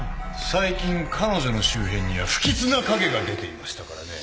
最近彼女の周辺には不吉な影が出ていましたからね。